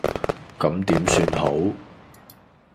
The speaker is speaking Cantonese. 咁點算好